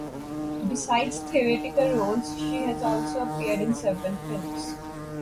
Besides theatrical roles she has also appeared in several films.